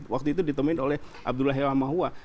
waktu itu ditemui oleh abdullah hewa mahuwa